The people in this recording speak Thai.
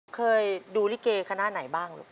เคยดูลิเกคณะไหนบ้างลูก